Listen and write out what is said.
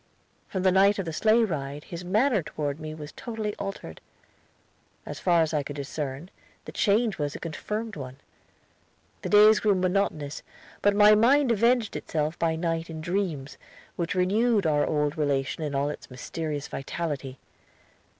From the night of the sleigh ride his manner toward me was totally altered. As far as I could discern, the change was a confirmed one. The days grew monotonous, but my mind avenged itself by night in dreams, which renewed our old relation in all its mysterious vitality.